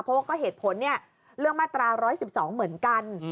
เพราะว่าก็เหตุผลเนี่ยเรื่องมาตรา๑๑๒เหมือนกัน